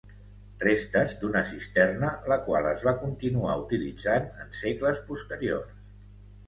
Restes d'una cisterna, la qual es va continuar utilitzant en segles posteriors.